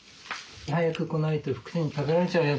早く来ないとふくに食べられちゃうよ